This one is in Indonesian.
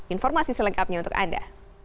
informasi selengkapnya untuk anda